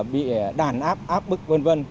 bị đàn áp áp bức v v